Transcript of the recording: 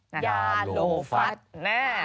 ยาโหฟัตแน่